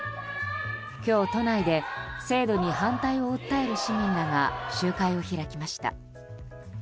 今日、都内で制度に反対を訴える市民らが集会を開きました。